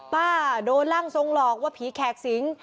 โดนร่างทรงหลอกว่าผีแขกสิง